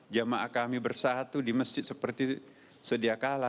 jamaah kami bersatu di masjid seperti sediakala